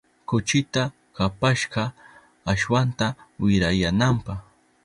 Kuchita kapashka ashwanta wirayananpa.